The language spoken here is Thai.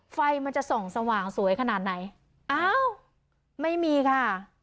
ไฟมันจะส่องสว่างสวยขนาดไหนอ้าวไม่มีค่ะ